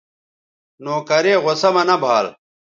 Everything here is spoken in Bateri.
نوکرے غصہ مہ نہ بھال